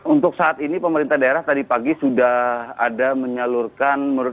untuk saat ini pemerintah daerah tadi pagi sudah ada menyalurkan